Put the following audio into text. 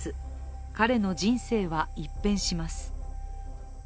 彼の人生は一変します。